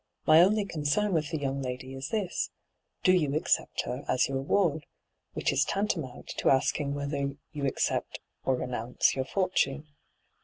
' My ODly concern with the young lady is this : Do you accept her as your ward ? Which is tanta mount to asking you whether you accept or renounce your fortune.'